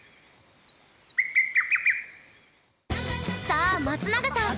さあ松永さん